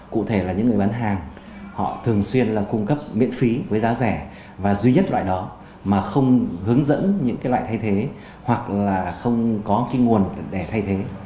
cụ thể là những người bán hàng họ thường xuyên là cung cấp miễn phí với giá rẻ và duy nhất loại đó mà không hướng dẫn những cái loại thay thế hoặc là không có cái nguồn để thay thế